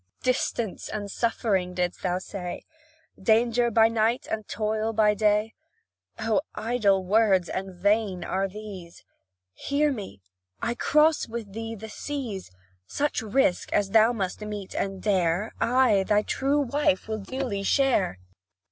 "Distance and suffering," didst thou say? "Danger by night, and toil by day?" Oh, idle words and vain are these; Hear me! I cross with thee the seas. Such risk as thou must meet and dare, I thy true wife will duly share.